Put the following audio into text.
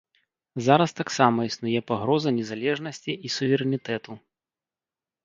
Зараз таксама існуе пагроза незалежнасці і суверэнітэту.